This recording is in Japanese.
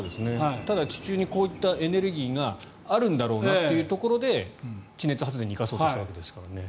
ただ、地中にこういったエネルギーがあるんだろうなというところで地熱発電に生かそうとしたわけですからね。